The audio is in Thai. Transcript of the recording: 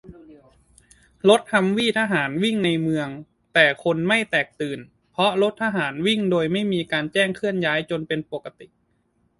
- รถฮัมวี่ทหารวิ่งในเมือง แต่คนไม่แตกตื่น เพราะรถทหารวิ่งโดยไม่มีการแจ้งเคลื่อนย้ายจนเป็นปกติ